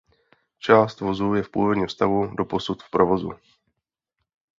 Část vozů je v původním stavu doposud v provozu.